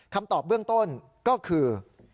คำตอบเบื้องต้นก็คือ